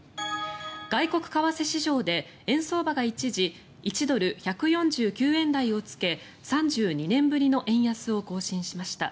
外国為替市場で円相場が一時１ドル＝１４９円台をつけ３２年ぶりの円安を更新しました。